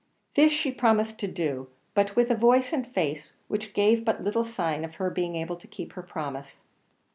This she promised to do, but with a voice and face which gave but little sign of her being able to keep her promise.